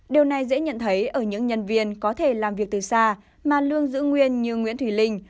điều này dễ nhận thấy ở những nhân viên có thể làm việc từ xa mà lương giữ nguyên như nguyễn thùy linh